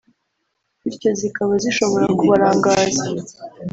bityo zikaba zishobora kubarangaza